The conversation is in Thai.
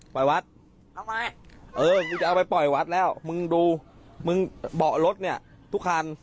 ปล่อยวัดเออกูจะเอาไปปล่อยวัดแล้วมึงดูมึงเบาะรถเนี่ยทุกครั้ง